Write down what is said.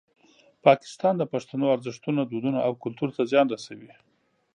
پاکستان د پښتنو ارزښتونه، دودونه او کلتور ته زیان رسوي.